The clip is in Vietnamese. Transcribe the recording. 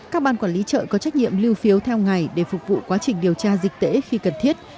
các ban quản lý chợ có trách nhiệm lưu phiếu theo ngày để phục vụ quá trình điều tra dịch tễ khi cần thiết